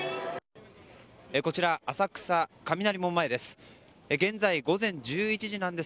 こちら浅草雷門前です。